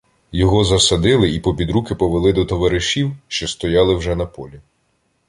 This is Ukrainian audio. Його зсадили і попід руки повели до товаришів, що стояли вже на полі.